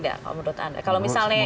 kasar tidak menurut anda